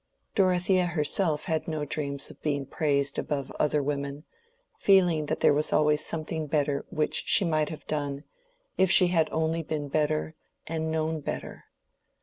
Dorothea herself had no dreams of being praised above other women, feeling that there was always something better which she might have done, if she had only been better and known better.